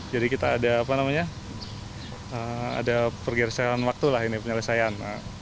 jadi kita ada apa namanya ada pergeresan waktu lah ini penyelesaian